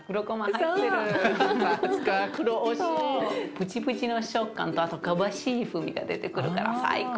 プチプチの食感とあと香ばしい風味が出てくるから最高。